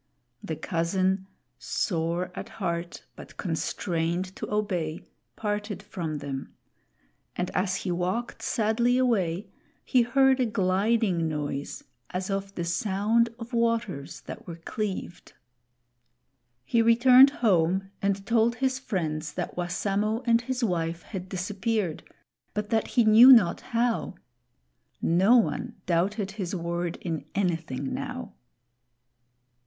The cousin, sore at heart but constrained to obey, parted from them; and as he walked sadly away, he heard a gliding noise as of the sound of waters that were cleaved. He returned home and told his friends that Wassamo and his wife had disappeared, but that he knew not how. No one doubted his word in anything now.